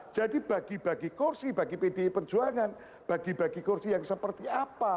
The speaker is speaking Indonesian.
jadi bagi bagi kursi bagi pdi perjuangan bagi bagi kursi yang seperti apa